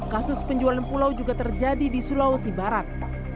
kasus penjualan pulau juga terjadi di sulawesi barat